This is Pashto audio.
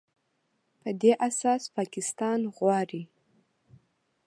په دې اساس پاکستان غواړي